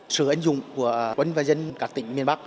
sự ảnh dụng của quân và dân các tỉnh miền bắc